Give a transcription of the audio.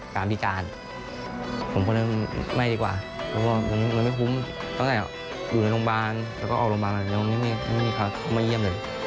คนที่เขาจะอยู่ช่วยจริงเนี่ย